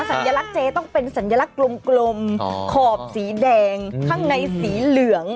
สัญลักษณ์เจต้องเป็นสัญลักษณ์กลมขอบสีแดงข้างในสีเหลือง